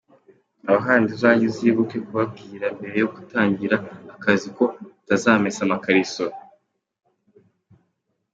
Aho handi uzanjye uzibuke kubabwira mbere yo gutangira akazi ko utazamesa amakariso.